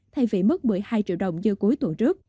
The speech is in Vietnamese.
thay vì mức một mươi hai triệu đồng như cuối tuần trước